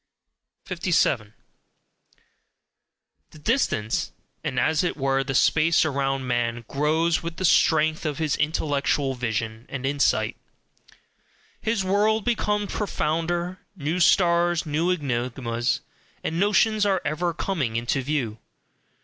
57. The distance, and as it were the space around man, grows with the strength of his intellectual vision and insight: his world becomes profounder; new stars, new enigmas, and notions are ever coming into view.